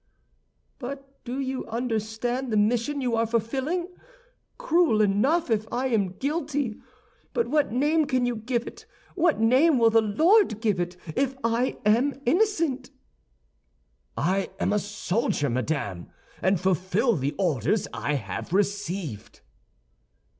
"But do you understand the mission you are fulfilling? Cruel enough, if I am guilty; but what name can you give it, what name will the Lord give it, if I am innocent?" "I am a soldier, madame, and fulfill the orders I have received."